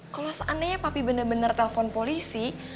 kalau seandainya papi bener bener telpon polisi